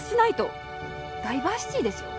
ダイバーシティですよ？